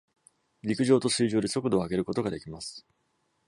陸上と水上で速度を上げることができます。